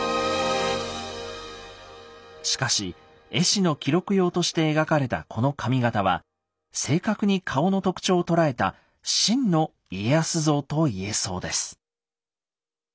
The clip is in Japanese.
しかし絵師の記録用として描かれたこの紙形は正確に顔の特徴を捉えた「真の家康像」と言えそうです。